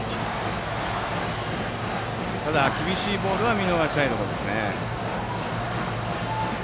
ただ、厳しいボールは見逃したいところですね。